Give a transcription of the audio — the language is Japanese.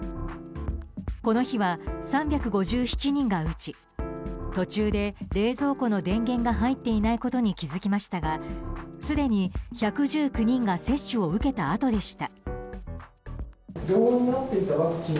この日は３５７人が打ち途中で冷蔵庫の電源が入っていないことに気づきましたがすでに１１９人が接種を受けたあとでした。